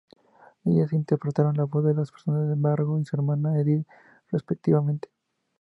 Ellas interpretaron la voz de los personajes de Margo y su hermana, Edith, respectivamente.